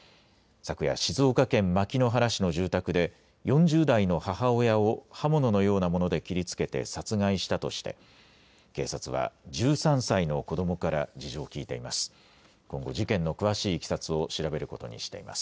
昨夜、静岡県牧之原市の住宅で４０代の母親を刃物のようなもので切りつけて殺害したとして警察は１３歳の子どもから事情を聞いています。